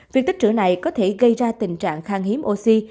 việc tích trữ này có thể gây ra tình trạng khang hiếm oxy